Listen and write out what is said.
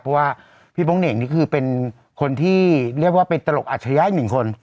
เพราะว่าพี่โป๊งเหน่งนี่คือเป็นคนที่เรียกว่าเป็นตลกอัจฉริยะอีกหนึ่งคน